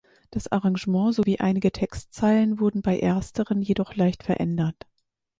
Das Arrangement sowie einige Textzeilen wurden bei ersteren jedoch leicht verändert.